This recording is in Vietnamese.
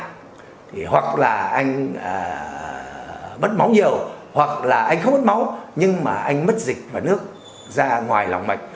thế thì hoặc là anh mất máu nhiều hoặc là anh không mất máu nhưng mà anh mất dịch và nước ra ngoài lòng mạch